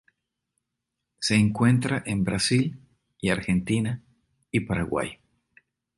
Se encuentra en Brasil y Argentina y Paraguay.